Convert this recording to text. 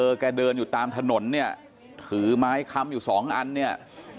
แกเดินอยู่ตามถนนเนี่ยถือไม้ค้ำอยู่สองอันเนี่ย